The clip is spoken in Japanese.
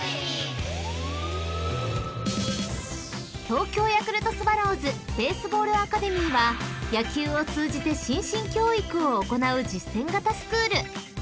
［東京ヤクルトスワローズベースボールアカデミーは野球を通じて心身教育を行う実践型スクール］